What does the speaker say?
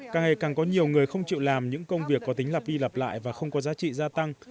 càng ngày càng có nhiều người không chịu làm những công việc có tính lạp đi lặp lại và không có giá trị gia tăng